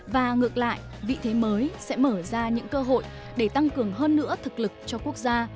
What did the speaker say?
và ngược lại vị thế mới sẽ mở ra những cơ hội để tăng cường hơn nữa thực lực cho quốc gia